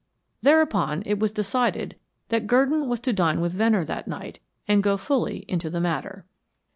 Thereupon it was decided that Gurdon was to dine with Venner that night and go fully into the matter.